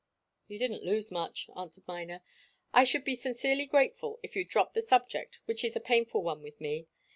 "You didn't lose much," answered Miner. "I should be sincerely grateful if you'd drop the subject, which is a painful one with me.